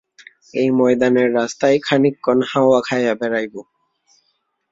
এই ময়দানের রাস্তায় খানিকক্ষণ হাওয়া খাইয়া বেড়াইব।